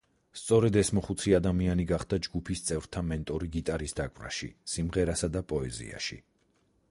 სწორედ ეს მოხუცი ადამიანი გახდა ჯგუფის წევრთა მენტორი გიტარის დაკვრაში, სიმღერასა და პოეზიაში.